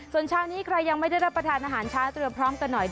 ส่วนเช้านี้ใครยังไม่ได้รับประทานอาหารช้าเตรียมพร้อมกันหน่อย